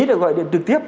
được gọi trực tiếp